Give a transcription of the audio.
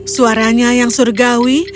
suaranya yang surgawi